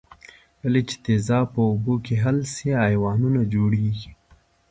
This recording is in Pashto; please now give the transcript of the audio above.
کله چې تیزاب په اوبو کې حل شي آیونونه جوړیږي.